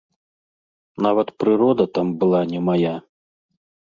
Нават прырода там была не мая.